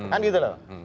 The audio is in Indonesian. kan gitu lho